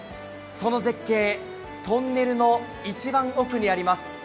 その絶景、トンネルの一番奥にあります。